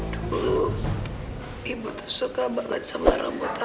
dulu ibu tuh suka banget sama rambut aku